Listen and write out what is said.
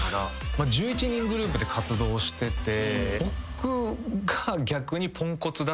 １１人グループで活動してて。